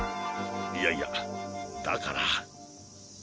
いやいやだから。